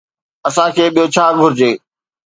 اسان کي ٻيو ڇا گهرجي؟